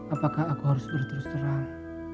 apakah aku harus berterus terang